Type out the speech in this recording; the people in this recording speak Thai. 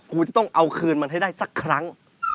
กูจะต้องเอาคืนมันให้ได้สักครั้ง